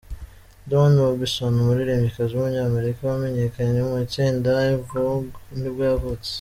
Dawn Robinson, umuririrmbyikazi w’umunyamerika wamenyekanye mu itsinda En Vogue nibwo yavutse.